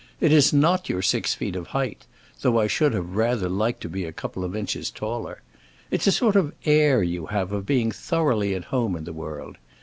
It is not your six feet of height, though I should have rather liked to be a couple of inches taller. It's a sort of air you have of being thoroughly at home in the world.